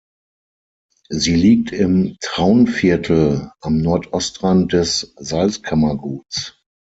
Sie liegt im Traunviertel, am Nordostrand des Salzkammerguts.